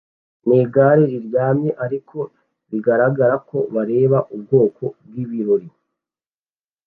nigare riryamye ariko bigaragara ko bareba ubwoko bwibirori